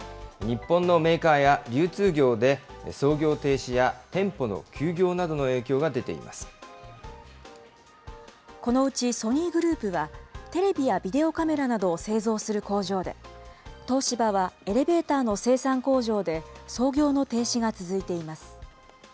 日本のメーカーや流通業で、操業停止や店舗の休業などの影響が出このうちソニーグループは、テレビやビデオカメラなどを製造する工場で、東芝はエレベーターの生産工場で操業の停止が続いています。